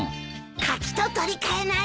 柿と取り換えない？